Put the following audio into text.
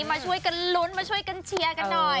มาช่วยกันลุ้นมาช่วยกันเชียร์กันหน่อย